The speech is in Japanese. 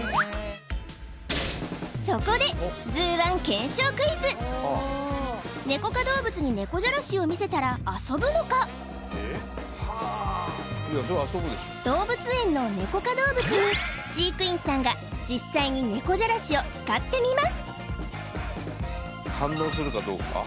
そこで動物園のネコ科動物に飼育員さんが実際に猫じゃらしを使ってみます